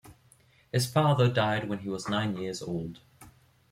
His father died when he was nine years old.